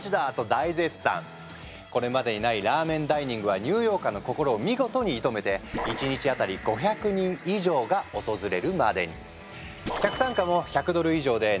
これまでにないラーメンダイニングはニューヨーカーの心を見事に射止めてが訪れるまでに。